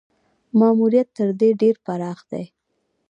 ماموریت تر دې ډېر پراخ دی.